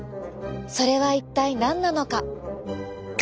それは一体何なのか？